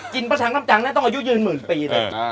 กินผัดถังทำจังน่าจะต้องอายุยืนหมื่นปีเลย